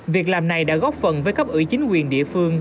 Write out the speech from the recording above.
việc làm này đã góp phần với cấp ủy chính quyền địa phương